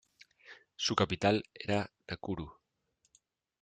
Su capital era Nakuru.